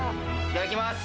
いただきます。